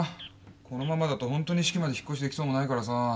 このままだと本当に式まで引っ越しできそうもないからさ。